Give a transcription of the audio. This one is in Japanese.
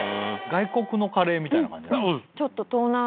外国のカレーみたいな感じ？